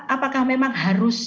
apakah memang harus